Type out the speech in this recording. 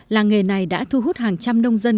làng nghề này đã thu hút hàng trăm nông dân